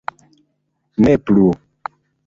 Ne plu.